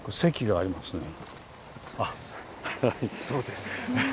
そうです。